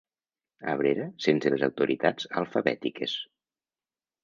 Abrera sense les autoritats alfabètiques.